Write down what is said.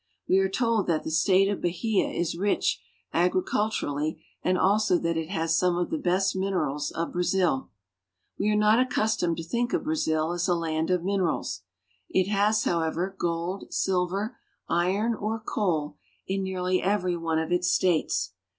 We are told that the state of Bahia is rich agriculturally, and also that it has some of the best minerals of Brazil. We are not accustomed to think of Brazil as a land of minerals. It has, however, gold, silver, iron, or coal in " The mining is done in a rude way.' nearly every one of its states.